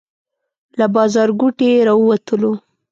له بازارګوټي راووتلو.